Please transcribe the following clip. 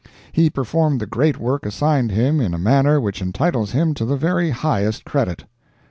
He performed the great work assigned him in a manner which entitles him to the very highest credit.